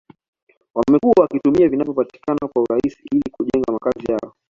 wamekuwa wakitumia vinavyopatikana kwa urahisi ili kujenga makazi yao